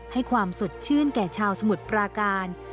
ให้ความสดชื่นแก่ชาวสมุทรปราการ